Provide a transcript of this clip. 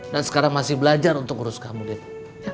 dan sekarang masih belajar untuk urus kamu debbie